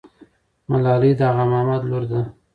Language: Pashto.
ملالۍ د اغا محمد لور ده.